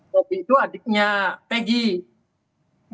hobi itu adiknya peggy